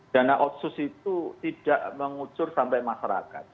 dana otsus itu tidak mengucur sampai masyarakat